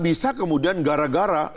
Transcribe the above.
bisa kemudian gara gara